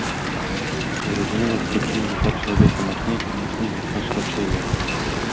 Зразумела, што чым душа чалавека мацней, тым мацней гіпноз вачэй яго.